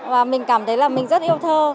và mình cảm thấy là mình rất yêu thơ